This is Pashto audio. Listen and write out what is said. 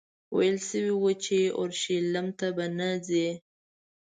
ویل شوي وو چې اورشلیم ته به نه ځې.